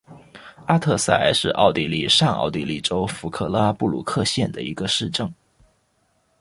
阿特塞是奥地利上奥地利州弗克拉布鲁克县的一个市镇。